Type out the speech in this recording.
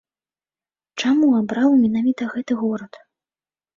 Чаму абраў менавіта гэты горад?